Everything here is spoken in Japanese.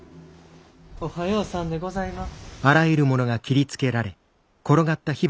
おはようさんでございます。